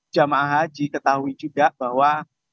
jamaah haji ketahui juga bahwa